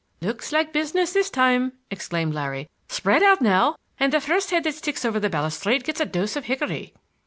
"Looks like business this time!" exclaimed Larry. "Spread out now and the first head that sticks over the balustrade gets a dose of hickory."